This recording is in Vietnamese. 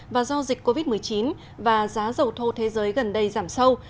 và do dịch covid một mươi chín và giá dầu thô thế giới gần đây giảm sâu